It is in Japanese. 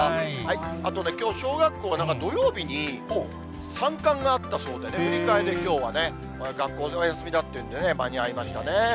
あとね、きょう小学校、土曜日に参観があったそうでね、振り替えできょうはね、学校お休みだっていうんでね、間に合いましたね。